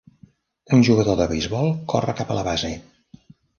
Un jugador de beisbol corre cap a la base.